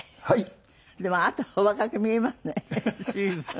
はい。